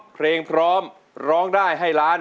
เพลงพร้อมร้องได้ให้ล้าน